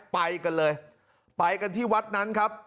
ไปกันเลยไปกันที่วัดนั้นครับ